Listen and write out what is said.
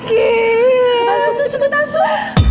cepetan sus cepetan sus